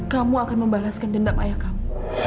kamu akan membalaskan dendam ayah kamu